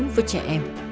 với trẻ em